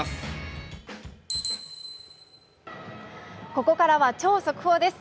ここからは超速報です。